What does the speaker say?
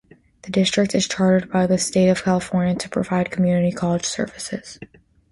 The district is chartered by the state of California to provide community college services.